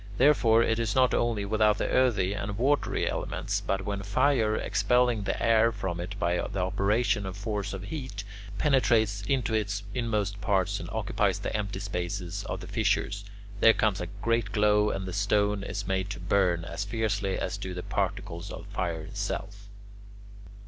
Therefore, it is not only without the earthy and watery elements, but when fire, expelling the air from it by the operation and force of heat, penetrates into its inmost parts and occupies the empty spaces of the fissures, there comes a great glow and the stone is made to burn as fiercely as do the particles of fire itself.